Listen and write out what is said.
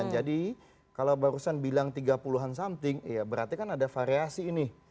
jadi kalau barusan bilang tiga puluh an something ya berarti kan ada variasi ini